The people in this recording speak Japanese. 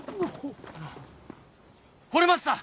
あのほれました！